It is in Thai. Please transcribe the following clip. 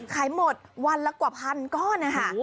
ขายหมดวันละกว่าพันก้อนนะคะ